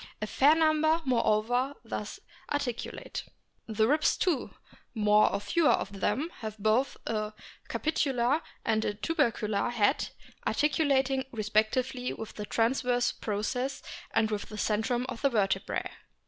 A fair number, moreover, thus articulate. The ribs too, more or fewer of them, have both a capitular and a tubercular head, articulating respect ively with the transverse processes and with the centrum of the vertebrae.